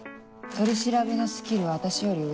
取り調べのスキルは私より上。